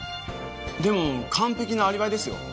でも完璧なアリバイですよ。